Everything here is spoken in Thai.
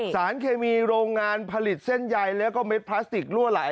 สารเคมีโรงงานผลิตเส้นใยแล้วก็เม็ดพลาสติกลั่วไหล